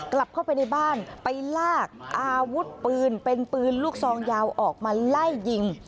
กลับเข้าไปในบ้านไปลากอาวุธปืนเป็นปืนลูกซองยาวออกมาไล่ยิง